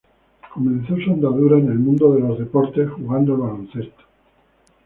Comenzó su andadura en el mundo de los deportes jugando al baloncesto.